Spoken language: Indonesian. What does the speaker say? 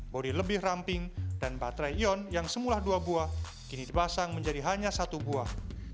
bodi lebih ramping dan baterai ion yang semula dua buah kini dipasang menjadi hanya satu buah